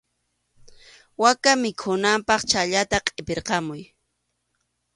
Waka mikhunanpaq chhallata qʼipirqamuy.